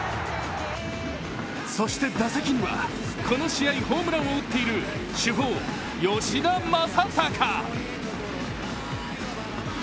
そして打席にはこの試合、ホームランを打っている主砲・吉田正尚。